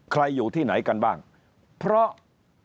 อยู่ที่ไหนกันบ้างเพราะ